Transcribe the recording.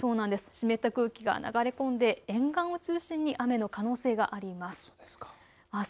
湿った空気が流れ込んで沿岸を中心に雨の可能性があります。